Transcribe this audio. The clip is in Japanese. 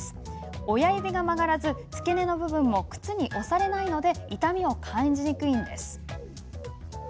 親指が曲がらず、付け根の部分も靴に押されないので痛みを感じにくいんです。